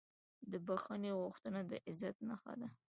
د بښنې غوښتنه د عزت نښه ده.